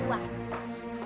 biar muda buang keluar